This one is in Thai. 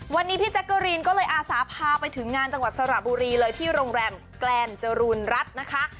วันนี้พี่แจ๊กเกอรีนก็เลยอาสาพาไปถึงงานจังหวัดสระบุรีเลยที่โรงแรมแกลนจรูนรัฐนะคะ